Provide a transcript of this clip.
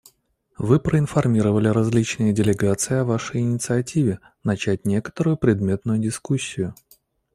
Вы проинформировали различные делегации о Вашей инициативе − начать некоторую предметную дискуссию.